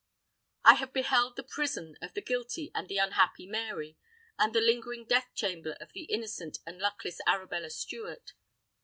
I have beheld the prison of the guilty and the unhappy Mary, and the lingering death chamber of the innocent and luckless Arabella Stuart.